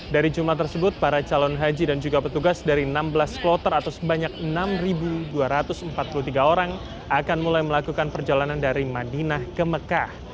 dari jumlah tersebut para calon haji dan juga petugas dari enam belas kloter atau sebanyak enam dua ratus empat puluh tiga orang akan mulai melakukan perjalanan dari madinah ke mekah